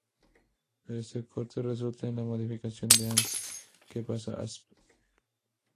Este corte resulta en la modificación de Asn, que pasa a Asp.